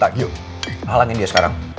tak gio halangin dia sekarang